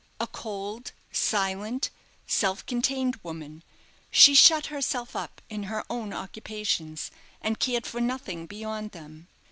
A cold, silent, self contained woman, she shut herself up in her own occupations, and cared for nothing beyond them.